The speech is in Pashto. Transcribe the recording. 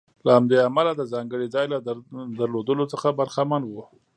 له همدې امله د ځانګړي ځای له درلودلو څخه برخمن و.